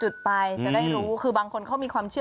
จุดไปจะได้รู้คือบางคนเขามีความเชื่อ